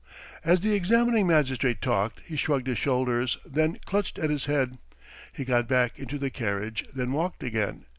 As the examining magistrate talked he shrugged his shoulders, then clutched at his head. He got back into the carriage, then walked again.